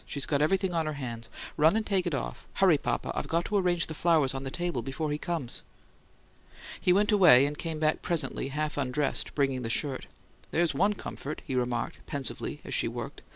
"She's got everything on her hands. Run and take it off. Hurry, papa; I've got to arrange the flowers on the table before he comes." He went away, and came back presently, half undressed, bringing the shirt. "There's ONE comfort," he remarked, pensively, as she worked.